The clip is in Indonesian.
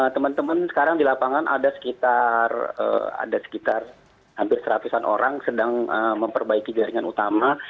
teman teman sekarang di lapangan ada sekitar hampir seratusan orang sedang memperbaiki jaringan utama